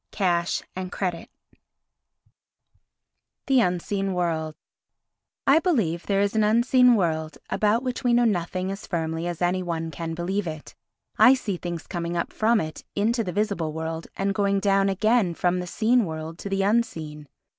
XI Cash and Credit The Unseen World I BELIEVE there is an unseen world about which we know nothing as firmly as any one can believe it. I see things coming up from it into the visible world and going down again from the seen world to the unseen.